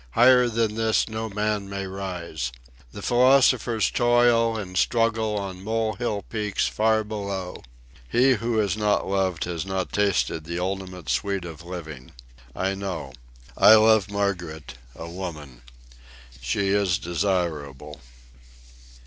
Higher than this no man may rise. The philosophers toil and struggle on mole hill peaks far below. He who has not loved has not tasted the ultimate sweet of living. I know. I love Margaret, a woman. She is desirable.